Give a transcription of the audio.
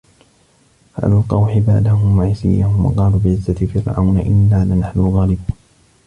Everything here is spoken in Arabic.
فَأَلقَوا حِبالَهُم وَعِصِيَّهُم وَقالوا بِعِزَّةِ فِرعَونَ إِنّا لَنَحنُ الغالِبونَ